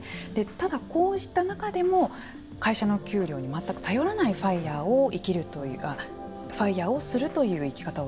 ただ、こうした中でも会社の給料に全く頼らないＦＩＲＥをするという生き方を選択する。